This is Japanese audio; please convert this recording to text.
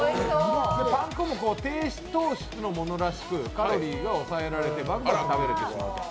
パン粉も低糖質のものらしくカロリーがおさえられててバクバク食べられてしまいます。